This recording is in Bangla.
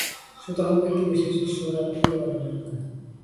সুতরাং ব্যক্তিবিশেষ ঈশ্বর আর টিকিতে পারিলেন না।